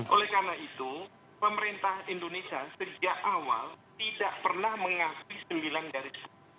oleh karena itu pemerintah indonesia sejak awal tidak pernah mengakui sembilan garis